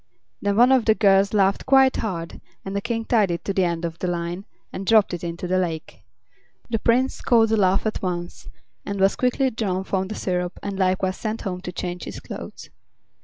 Then one of the girls laughed quite hard, and the King tied it to the end of the line and dropped it into the lake. The Prince caught the laugh at once, and was quickly drawn from the syrup and likewise sent home to change his clothes.